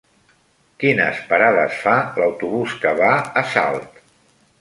Quines parades fa l'autobús que va a Salt?